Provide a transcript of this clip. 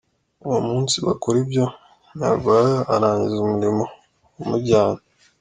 Uwo munsi bakora ibyo Nyarwaya arangiza umurimo wa mujyanye.